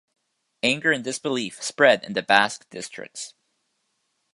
Anger and disbelief spread in the Basque districts.